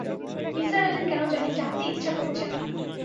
নিসার আলির কেন জানি জানতে ইচ্ছা করছে না।